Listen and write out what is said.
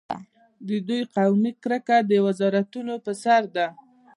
د دوی قومي کرکه د وزارتونو پر سر ده.